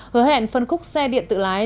hứa hẹn phân khúc xe điện tự lái